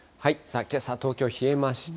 けさ、東京、冷えました。